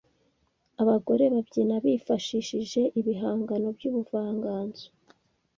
abagore babyina bifashishije ibihangano by’ubuvanganzo